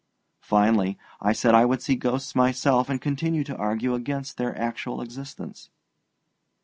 Finally, I said I would see ghosts myself, and continue to argue against their actual existence.